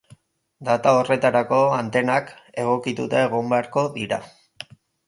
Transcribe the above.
Data horretarako antenak egokituta egon beharko dira.